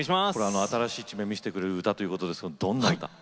新しい一面見せてくれる歌ということですがどんな歌？